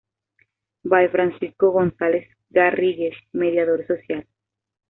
By Francisco González Garrigues, Mediador social.